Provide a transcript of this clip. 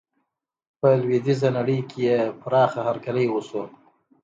په لویدیزه نړۍ کې یې پراخه هرکلی وشو.